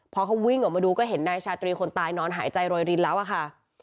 พอเขาวิ่งออกมาดูก็เห็นนายชาตรีคนตายนอนหายใจโรยรินแล้วอะค่ะ